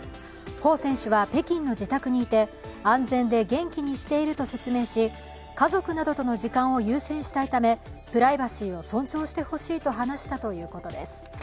彭選手は北京の自宅にいて安全で元気にしていると説明し、家族などとの時間を優先したいため、プライバシーを尊重してほしいと話したということです。